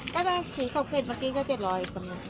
ก็ถ้าชี้เข้าเพลงเมื่อกี้ก็เจ็ดร้อย